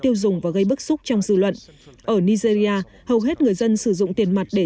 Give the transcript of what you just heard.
tiêu dùng và gây bức xúc trong dư luận ở nigeria hầu hết người dân sử dụng tiền mặt để